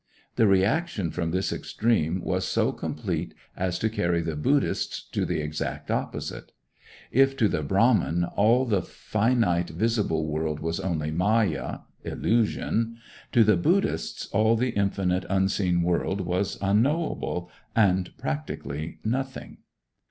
The reaction from this extreme was so complete as to carry the Buddhists to the exact opposite. If to the Brahman all the finite visible world was only maya illusion, to the Buddhists all the infinite unseen world was unknowable, and practically nothing.